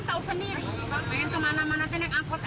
bantu banget ya